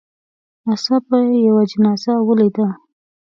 ناڅاپه یې یوه جنازه ولیده.